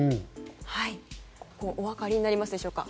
お分かりになりますでしょうか。